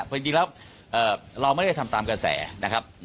เพราะจริงแล้วเราไม่ได้ทำตามกระแสนะครับ